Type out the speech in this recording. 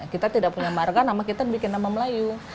kita tidak punya marga nama kita bikin nama melayu